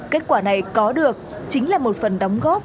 kết quả này có được chính là một phần đóng góp